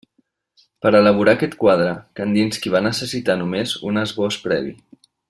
Per a elaborar aquest quadre, Kandinski va necessitar només un esbós previ.